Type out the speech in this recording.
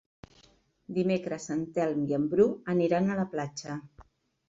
Dimecres en Telm i en Bru aniran a la platja.